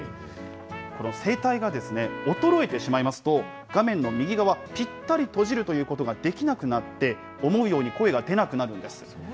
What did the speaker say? この声帯が衰えてしまいますと、画面の右側、ぴったり閉じるということができなくなって、思うように声が出なくなるんです。